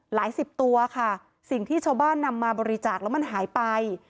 สิบตัวค่ะสิ่งที่ชาวบ้านนำมาบริจาคแล้วมันหายไป